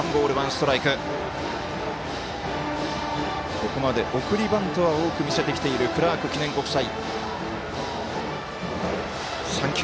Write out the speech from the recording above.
ここまで送りバントは多く見せてきているクラーク記念国際。